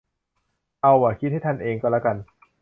เอาวะ คิดให้ท่านเองก็ละกัน